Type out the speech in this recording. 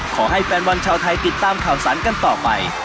ขอให้แฟนวันชาวไทยติดตามข่าวสรรกันต่อไป